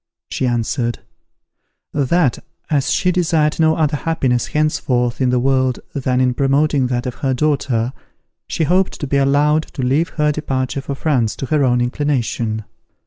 She answered, "that, as she desired no other happiness henceforth in the world than in promoting that of her daughter, she hoped to be allowed to leave her departure for France to her own inclination."